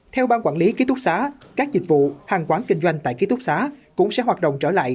theo ban quản lý ký túc xá các dịch vụ hàng quán kinh doanh tại ký túc xá cũng sẽ hoạt động trở lại